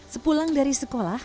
sepulang dari sekolah